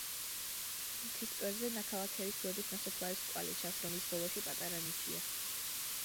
მთის წვერზე ნაქალაქევის გვერდით ნასოფლარის კვალი ჩანს, რომლის ბოლოში პატარა ნიშია.